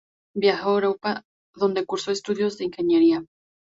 Viajó a Europa, donde cursó estudios de ingeniería.